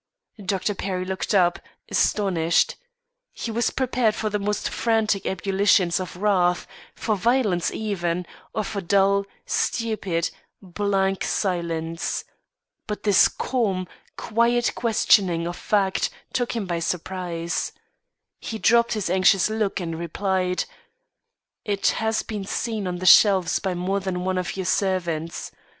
Dr. Perry looked up, astonished. He was prepared for the most frantic ebullitions of wrath, for violence even; or for dull, stupid, blank silence. But this calm, quiet questioning of fact took him by surprise. He dropped his anxious look, and replied: "It has been seen on the shelves by more than one of your servants.